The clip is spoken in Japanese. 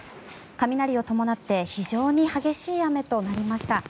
雷を伴って非常に激しい雨となりました。